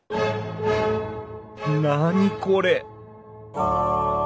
何これ！